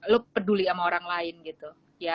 lo peduli sama orang lain gitu